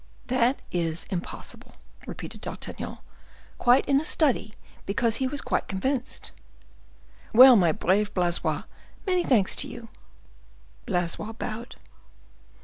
"That is impossible," repeated D'Artagnan, quite in a study, because he was quite convinced. "Well, my brave Blaisois, many thanks to you." Blaisois bowed.